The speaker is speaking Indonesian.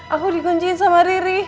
aku dikunciin sama riri